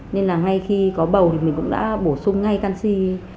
nên là ngay khi có bầu thì mình cũng đã bổ sung ngay canxi